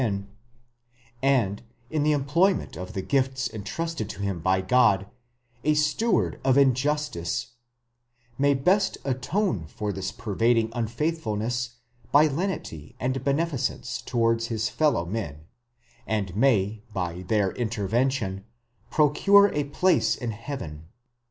10), and, in the employment of the gifts intrusted to him by God, a steward of injustice, οἰκονόμος τῆς ἀδικίας, may best atone for this pervading unfaithfulness by lenity and beneficence towards his fellow men, and may by their intervention procure a place in heaven.